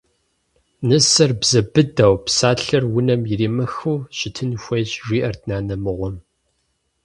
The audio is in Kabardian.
Нысэр бзэ быдэу, псалъэр унэм иримыхыу щытын хуейщ, – жиӀэрт нанэ мыгъуэм.